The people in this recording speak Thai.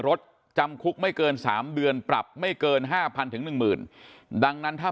จำคุกไม่เกิน๓เดือนปรับไม่เกิน๕๐๐๑๐๐๐ดังนั้นถ้า